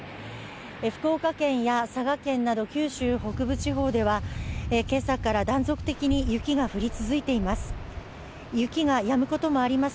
福岡県や佐賀県など、九州北部地方では今朝から断続的に雪が降り続いています。